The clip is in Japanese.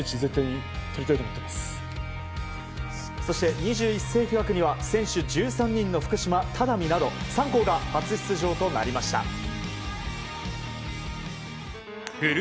そして、２１世紀枠には選手１３人の福島・只見など３校が初出場となりました。